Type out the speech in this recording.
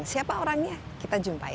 siapa orangnya kita jumpai